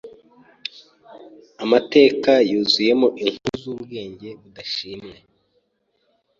Amateka yuzuyemo inkuru zubwenge budashimwe.